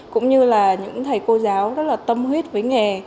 cũng như là những thầy cô giáo rất là tâm huyết với nghề